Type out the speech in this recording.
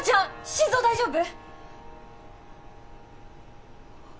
心臓大丈夫？